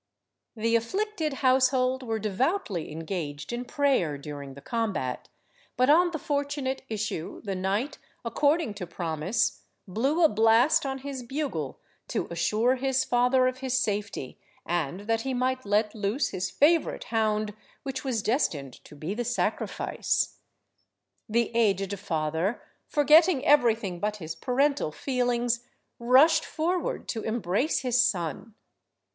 The afflicted household were devoutly engaged in prayer during the combat, but on the fortunate issue, the knight, according to promise, blew a blast on his bugle to assure his father of his safety, and that he might let loose his favourite hound which was destined to be the sacrifice. The aged father, forgetting everything but his parental feelings, rushed forward to embrace his son.